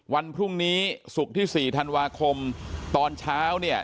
วันพรุ่งนี้ศุกร์ที่๔ธันวาคมตอนเช้าเนี่ย